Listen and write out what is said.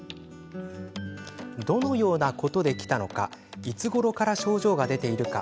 どのようなことで来たのかいつごろから症状が出ているのか